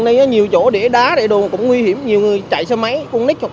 cả nơi đầy đồ cũng nguy hiểm nhiều người chạy xe máy con nít